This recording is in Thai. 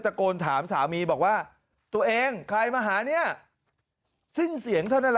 โกนถามสามีบอกว่าตัวเองใครมาหาเนี่ยสิ้นเสียงเท่านั้นแหละ